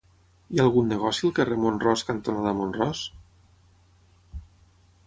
Hi ha algun negoci al carrer Mont-ros cantonada Mont-ros?